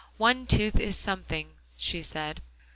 "One tooth is something," she said.